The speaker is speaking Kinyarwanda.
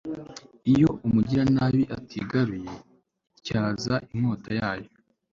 iyo umugiranabi atigaruye, ityaza inkota yayo